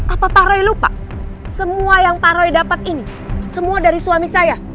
apa pak roy lupa semua yang pak roy dapat ini semua dari suami saya